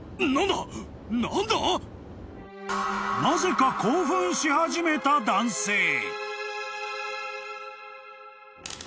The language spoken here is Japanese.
［なぜか興奮し始めた男性］